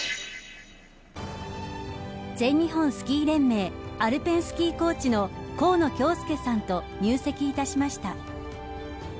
全日本スキー連盟アルペンスキーコーチの河野恭介さんと入籍いたしました。